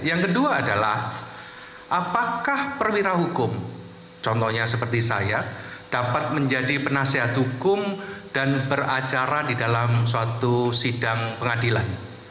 yang kedua adalah apakah perwira hukum contohnya seperti saya dapat menjadi penasihat hukum dan beracara di dalam suatu sidang pengadilan